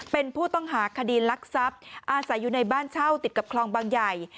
เป็นผู้ต้องหาคดีลักทรัพย์อาศัยอยู่ในบ้านเช่าติดกับคลองบางใหญ่